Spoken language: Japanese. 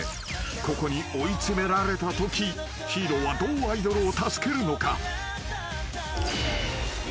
［ここに追い詰められたときヒーローはどうアイドルを助けるのか？］